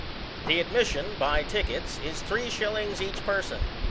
The admission^ by tickets, is three shillings each peason.